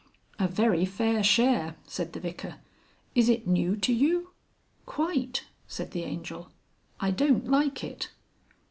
"A very fair share," said the Vicar. "Is it new to you?" "Quite," said the Angel. "I don't like it."